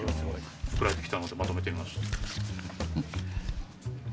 送られてきたのでまとめてみました。